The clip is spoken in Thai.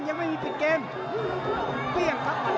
กวาลทองมาซะ